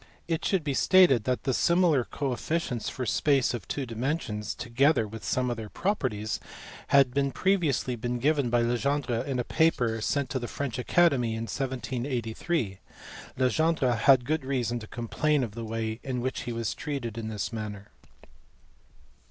It should be stated that the similar coefficients for space of two dimensions, together with some of their properties, had been previously given by Legendre in a paper sent to the French Academy in 1783. Legendre had good reason to complain of the way in which he was treated in this matter.